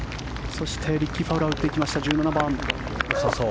そしてリッキー・ファウラー打っていきました、１７番。